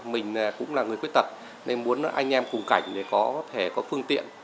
mình cũng là người khuyết tật nên muốn anh em cùng cảnh để có thể có phương tiện